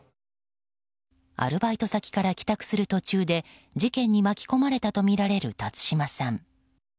アルバイト先から帰宅する途中で事件に巻き込まれたとみられる辰島さん。